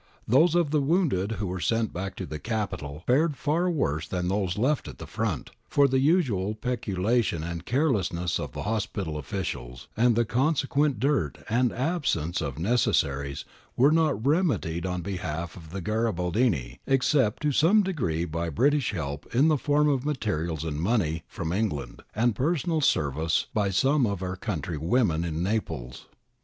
Those of the wounded who were sent back to the Capital fared worse than those left at the front, for the usual peculation and carelessness of the hospital officials and the con sequent dirt and absence of necessaries were not remedied on behalf of the Garibaldini, except to some degree by British help in the form of materials and money from England and personal service by some of our country women in Naples.